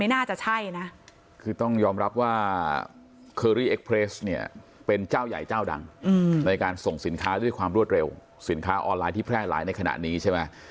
ในการส่งสินค้าด้วยความรวดเร็วสินค้าออนไลน์ที่แพร่หลายในขณะนี้ใช่ไหม